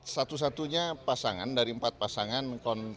satu satunya pasangan dari empat pasangan